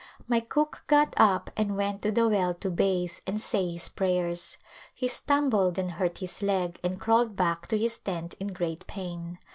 My cook got up and went to the well to bathe and say his prayers. He stumbled and hurt his leg and crawled back to his tent in great pain.